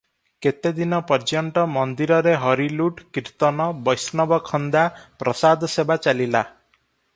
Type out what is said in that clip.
କେତେ ଦିନ ପର୍ଯ୍ୟନ୍ତ ମନ୍ଦିରରେ ହରିଲୁଟ, କୀର୍ତ୍ତନ, ବୈଷ୍ଣବଖନ୍ଦା, ପ୍ରସାଦ ସେବା ଚାଲିଲା ।